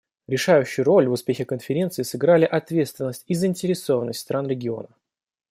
Решающую роль в успехе Конференции сыграли ответственность и заинтересованность стран региона.